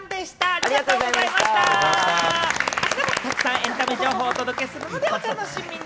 あしたもたくさんエンタメ情報をお届けするのでお楽しみに。